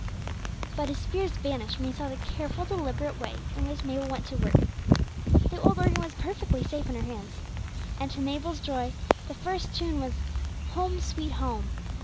But his fears vanished when he saw the careful, deliberate way in which Mabel went to work. The old organ was perfectly safe in her hands. And, to Mabel's joy, the first tune which came was "Home, sweet Home."